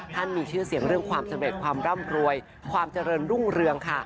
มีชื่อเสียงเรื่องความสำเร็จความร่ำรวยความเจริญรุ่งเรืองค่ะ